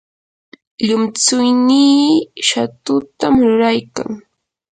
llumtsuynii shatutam ruraykan.